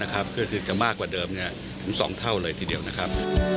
ก็คือจะมากกว่าเดิมถึง๒เท่าเลยทีเดียวนะครับ